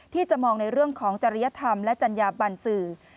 ที่จะมองในเรื่องของจริยธรรมและจัญญาบันสื่อ